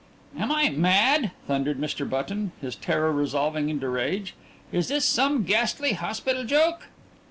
"Am I mad?" thundered Mr. Button, his terror resolving into rage. "Is this some ghastly hospital joke?